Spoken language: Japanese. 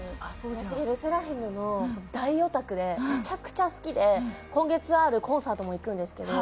村重ＬＥＳＳＥＲＡＦＩＭの大オタクでめちゃくちゃ好きで今月あるコンサートも行くんですけど。